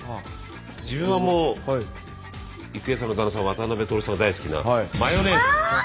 自分はもう郁恵さんの旦那さん渡辺徹さんが大好きな。